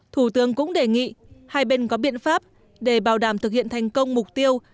thủ tướng cũng đề nghị hai bên có biện pháp để bảo đảm thực hiện thành công mục tiêu